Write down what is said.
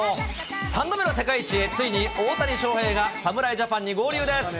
３度目の世界一へ、ついに大谷翔平が侍ジャパンに合流です。